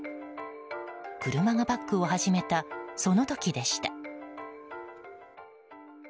車がバックを始めたその時でした。